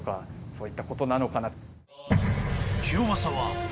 そういったことなのかな。